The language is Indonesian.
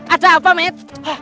ada apa met